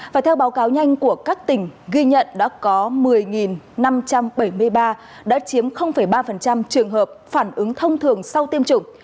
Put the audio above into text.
và theo báo cáo nhanh của các tỉnh ghi nhận đã có một mươi năm trăm bảy mươi ba đã chiếm ba trường hợp phản ứng thông thường sau tiêm chủng